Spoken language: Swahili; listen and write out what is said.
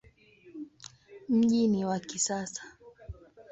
Mji ni wa kisasa.